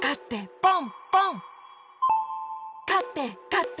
ポンポン！